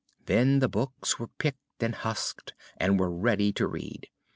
Then the books were picked and husked and were ready to read.